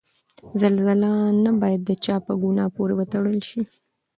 زلزله نه باید د چا په ګناه پورې وتړل شي.